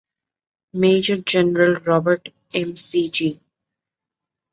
Major General Robert McG.